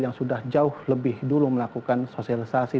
yang sudah jauh lebih dulu melakukan sosialisasi